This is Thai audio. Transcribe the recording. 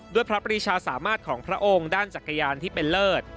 พระปรีชาสามารถของพระองค์ด้านจักรยานที่เป็นเลิศ